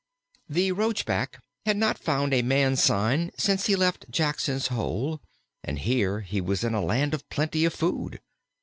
The Roachback had not found a man sign since he left Jackson's Hole, and here he was in a land of plenty of food.